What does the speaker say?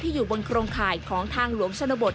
อยู่บนโครงข่ายของทางหลวงชนบท